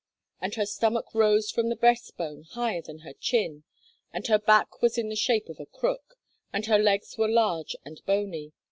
And her stomach rose from the breast bone, higher than her chin. And her back was in the shape of a crook, and her legs were large and bony.